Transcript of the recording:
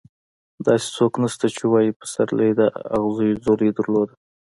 داسې څوک نشته چې ووايي پسرلي د اغزو ځولۍ درلوده.